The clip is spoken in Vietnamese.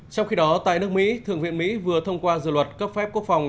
trong khi đó tại nước mỹ thượng viện mỹ vừa thông qua dự luật cấp phép quốc phòng